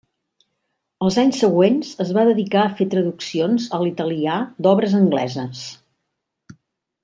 Els anys següents es va dedicar a fer traduccions a l'italià d'obres angleses.